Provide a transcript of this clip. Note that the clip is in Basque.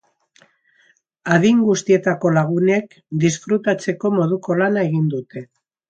Adin guztietako lagunek disfrutatzeko moduko lana egin dute.